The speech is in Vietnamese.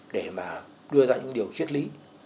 để mà đưa ra những điều triết lý